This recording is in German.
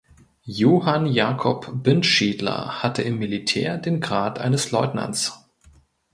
Johann Jakob Bindschedler hatte im Militär den Grad eines Leutnants.